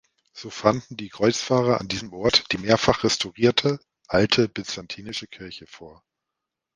So fanden die Kreuzfahrer an diesem Ort die mehrfach restaurierte, alte byzantinische Kirche vor.